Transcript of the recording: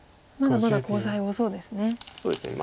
まだまだコウ材多そうですね。